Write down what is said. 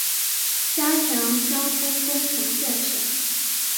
加强交通工程建设